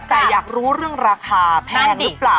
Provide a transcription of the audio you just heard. แต่อยากรู้เรื่องราคาแพงหรือเปล่า